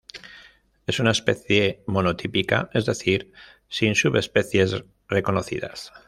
Es una especie monotípica, es decir, sin subespecies reconocidas.